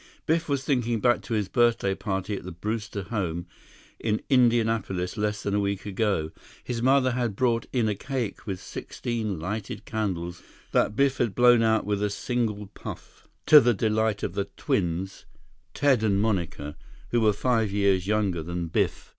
Biff was thinking back to his birthday party at the Brewster home in Indianapolis less than a week ago. His mother had brought in a cake with sixteen lighted candles that Biff had blown out with a single puff, to the delight of the twins, Ted and Monica, who were five years younger than Biff.